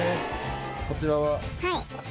こちらは？